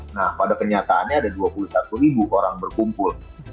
nah pada kenyataannya ada dua puluh satu ribu orang berkumpul